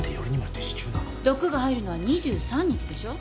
毒が入るのは２３日でしょ？